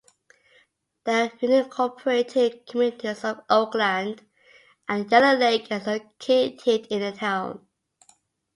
The unincorporated communities of Oakland and Yellow Lake are located in the town.